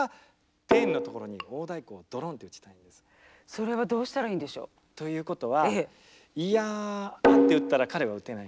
それはどうしたらいいんでしょう？ということは「イヤア」って打ったら彼は打てないんですね。